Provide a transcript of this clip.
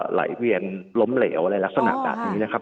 ไหลเวียนล้มเหลวอะไรลักษณะแบบนี้นะครับ